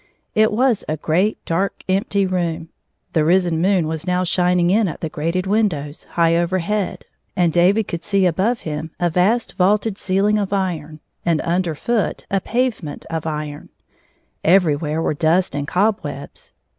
It was a great, dark, empty room. The risen moon was now shining in at the grated windows, high overhead, and David could see above him a vast vaulted ceiling of iron, and under foot a pave ment of iron. Everywhere were dust and cobwebs.